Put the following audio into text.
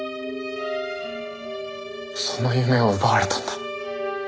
その夢を奪われたんだ。